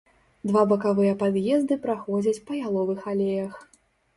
Два бакавыя пад'езды праходзяць па яловых алеях.